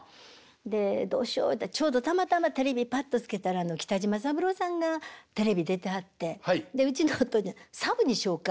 で「どうしよう」言うたらちょうどたまたまテレビパッとつけたら北島三郎さんがテレビ出てはってでうちのお父ちゃん「さぶにしようか」